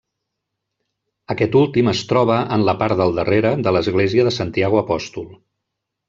Aquest últim es troba en la part del darrere de l'església de Santiago Apòstol.